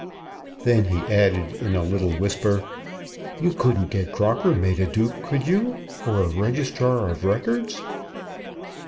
Then he added in a little whisper, "You couldn't get Crocker made a duke, could you, or a Registrar of Records?"